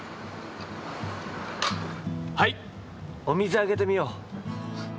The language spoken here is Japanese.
お水あげてみよう。